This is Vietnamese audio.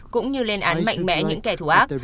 cũng như lên án mạnh mẽ những kẻ thù ác